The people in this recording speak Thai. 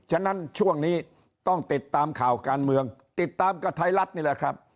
ฉะนั้นช่วงนี้ต้องติดตามข่าวการเมืองติดตามกับไทยรัฐนี่แหละครับ